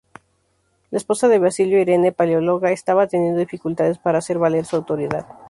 La esposa de Basilio, Irene Paleóloga estaba teniendo dificultades para hacer valer su autoridad.